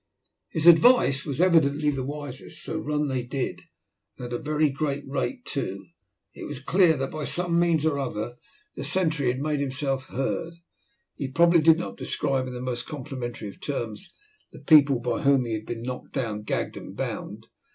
His advice was evidently the wisest, so run they did, and at a very great rate too. It was clear that by some means or other the sentry had made himself heard. He probably did not describe, in the most complimentary of terms, the people by whom he had been knocked down, gagged, and bound.